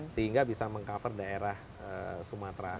sehingga bisa meng cover daerah sumatera